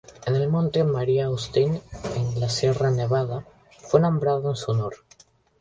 El monte Mary Austin, en la Sierra Nevada, fue nombrado en su honor.